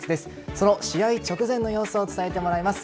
その試合直前の様子を伝えてもらいます。